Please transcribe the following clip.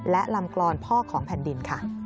และลำกลอนพ่อของแผ่นดินค่ะ